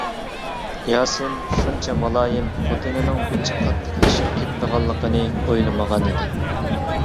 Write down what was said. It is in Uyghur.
ياسىن شۇنچە مۇلايىم خوتۇنىنىڭ بۇنچە قاتتىقلىشىپ كېتىدىغانلىقىنى ئويلىمىغانىدى.